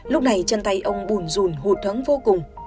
lúc này chân tay ông bùn rùn hụt hứng vô cùng